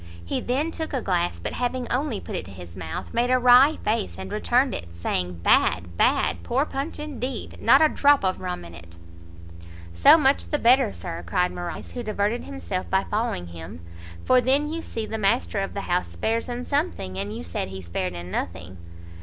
He then took a glass, but having only put it to his mouth, made a wry face, and returned it, saying "Bad! bad! poor punch indeed! not a drop of rum in it! "So much the better, Sir," cried Morrice, who diverted himself by following him, "for then you see the master of the house spares in something, and you said he spared in nothing."